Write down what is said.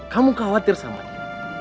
kamu khawatir sama dia